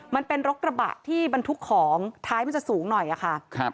มันเป็นรกกระบะที่มันทุกของท้ายมันจะสูงหน่อยค่ะ